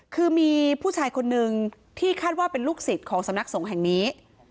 คือมีผู้ชายคนนึงที่คาดว่าเป็นลูกศิษย์ของสำนักสงฆ์แห่งนี้